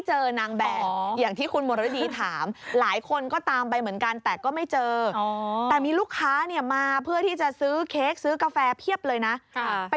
เจอกับเจ้าของร้านแทนค่ะ